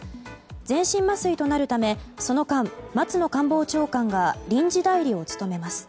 全身麻酔となるためその間、松野官房長官が臨時代理を務めます。